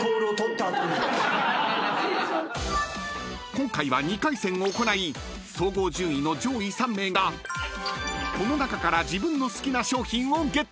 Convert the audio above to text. ［今回は２回戦行い総合順位の上位３名がこの中から自分の好きな賞品をゲットできます］